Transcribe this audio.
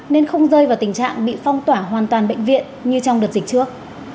nên không rơi vào tình trạng bị phong tỏa hoàn toàn bệnh viện như trong đợt dịch trước